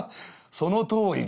そのとおりだ。